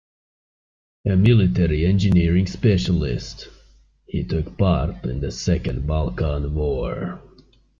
A military engineering specialist, he took part in the Second Balkan War.